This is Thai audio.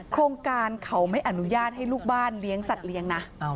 โครงการเขาไม่อนุญาตให้ลูกบ้านเลี้ยงสัตว์เลี้ยงนะ